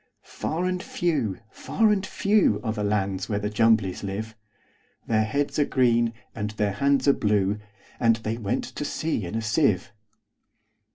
Far and few, far and few, Are the lands where the Jumblies live:Their heads are green, and their hands are blue; And they went to sea in a sieve.